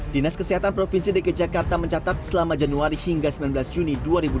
dinas kesehatan provinsi dki jakarta mencatat selama januari hingga sembilan belas juni dua ribu dua puluh